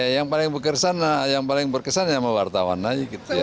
yang paling berkesan yang paling berkesan sama wartawan aja gitu ya